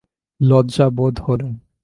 লজ্জা বোধ হল।